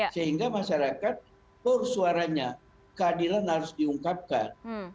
sehingga masyarakat tor suaranya keadilan harus diungkapkan